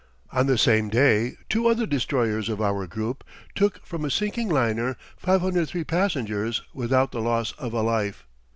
On the same day two other destroyers of our group took from a sinking liner 503 passengers without the loss of a life.